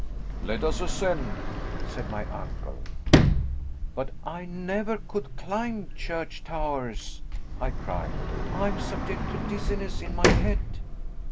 "Let us ascend," said my uncle. "But I never could climb church towers," I cried, "I am subject to dizziness in my head."